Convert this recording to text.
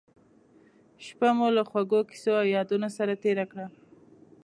شپه مو له خوږو کیسو او یادونو سره تېره کړه.